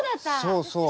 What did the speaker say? そうそう。